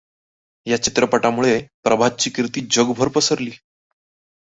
या चित्रपटामुळे प्रभातची कीर्ती जगभर पसरली.